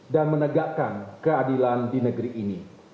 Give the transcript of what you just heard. dan menegakkan keadilan di negeri ini